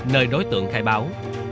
nơi đối tượng khai báo